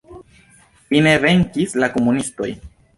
Fine venkis la komunistoj.